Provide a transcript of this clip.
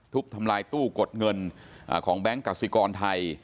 ทำลายตู้กดเงินของแบงค์กสิกรไทย